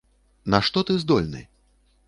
На што ты здольны?